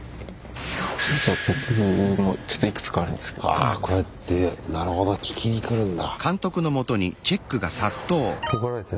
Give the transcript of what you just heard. はぁこうやってなるほど聞きに来るんだ。